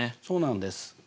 そうなんです。